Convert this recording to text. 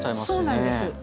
そうなんです。